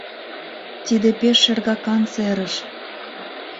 Тиде пеш шергакан серыш!